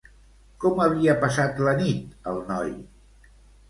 Com havia passat la nit el noi?